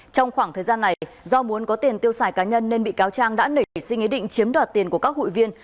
trong khoảng thời gian này do muốn có tiền tiêu xài cá nhân nên bị cáo trang đã nể sinh ý định chiếm đoạt tiền của các hụi viên